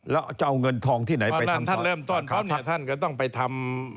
แล้วจะเอาเงินทองที่ไหนไปทำศาสตร์สาขาภักดิ์ท่านเริ่มต้นเพราะเนี่ยท่านก็ต้องไปทำ